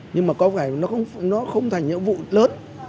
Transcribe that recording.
nhưng mà có cái nó không thành nhiệm vụ lớn